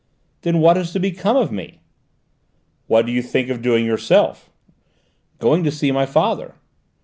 "Then what is to become of me?" "What do you think of doing yourself?" "Going to see my father."